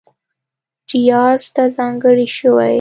ریاض ته ځانګړې شوې